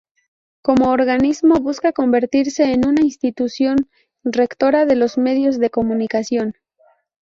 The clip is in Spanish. Como organismo, busca convertirse en una institución rectora de los medios de comunicación.